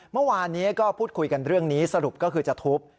เมื่อวานนี้ก็พูดคุยกันเรื่องนี้สรุปก็คือจะทุบ